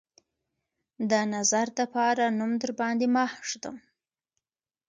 د نظر دپاره نوم درباندې ماه ږدم